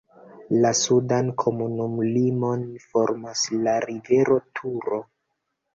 La sudan komunumlimon formas la rivero Turo.